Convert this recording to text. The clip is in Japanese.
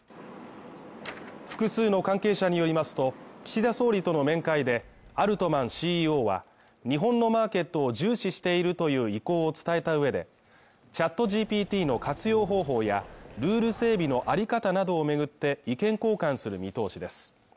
複数の関係者によりますと、岸田総理との面会でアルトマンＣＥＯは、日本のマーケットを重視しているという意向を伝えた上で、ＣｈａｔＧＰＴの活用方法やルール整備のあり方などを巡って意見交換する見通しです。